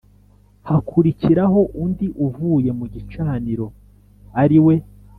Hakurikiraho undi uvuye mu gicaniro ari we